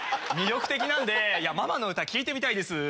魅力的なんでママの歌聴いてみたいです。